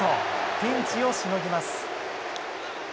ピンチをしのぎます。